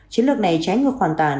chiến lược này trái ngược hoàn toàn